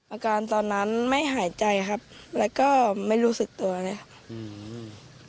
อาการตอนนั้นไม่หายใจครับแล้วก็ไม่รู้สึกตัวเลยครับอืม